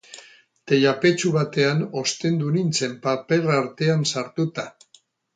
Teilapetxu batean ostendu nintzen, paper artean sartuta.